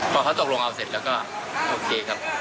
พอเขาตกลงเอาเสร็จแล้วก็โอเคครับ